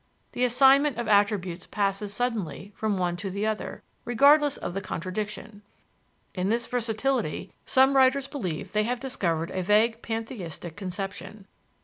The assignment of attributes passes suddenly from one to the other, regardless of contradiction. In this versatility some writers believe they have discovered a vague pantheistic conception.